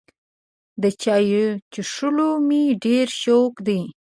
د چای څښلو مې ډېر شوق دی.